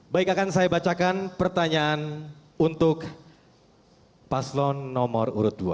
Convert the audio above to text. baik akan saya bacakan pertanyaan untuk paslon nomor urut dua